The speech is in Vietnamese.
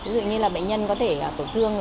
ví dụ như là bệnh nhân có thể tổn thương